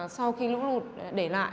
sau khi lũ lụt để lại